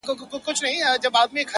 هيواد مي هم په ياد دى.